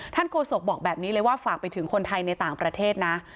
โฆษกบอกแบบนี้เลยว่าฝากไปถึงคนไทยในต่างประเทศนะ